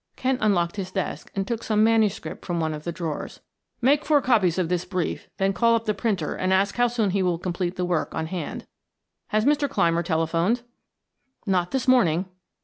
Kent unlocked his desk and took some manuscript from one of the drawers. "Make four copies of this brief, then call up the printer and ask how soon he will complete the work on hand. Has Mr. Clymer telephoned?" "Not this morning."